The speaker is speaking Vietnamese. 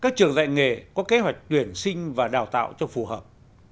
các trường dạy nghề có kế hoạch tuyển sinh và đào tạo cho phù hợp